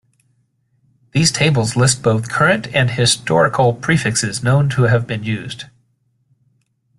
These tables list both current and historical prefixes known to have been used.